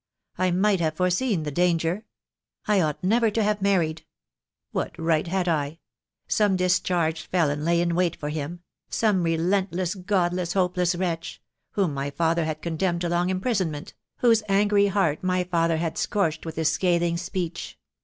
I might have foreseen the danger. I ought never to have married. What right had I? Some discharged felon lay in wait for him — some relentless, Godless, hopeless wretch — whom my father had con demned to long imprisonment — whose angry heart my father had scorched with his scathing speech.